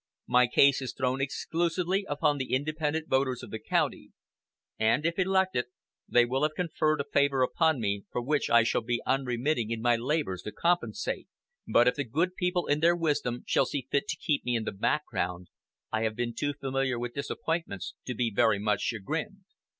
My case is thrown exclusively upon the independent voters of the county; and if elected, they will have conferred a favor upon me for which I shall be unremitting in my labors to compensate. But if the good people in their wisdom shall see fit to keep me in the background, I have been too familiar with disappointments to be very much chagrined."